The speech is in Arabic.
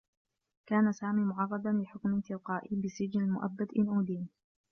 كان سامي معرّضا لحكم تلقائيّ بالسّجن المؤبّد إن أُدين.